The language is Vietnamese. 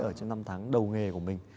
ở trong năm tháng đầu nghề của mình